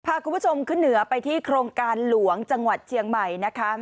พาคุณผู้ชมขึ้นเหนือไปที่โครงการหลวงจังหวัดเชียงใหม่นะคะ